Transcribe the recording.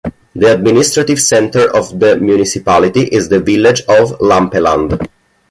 The administrative centre of the municipality is the village of Lampeland.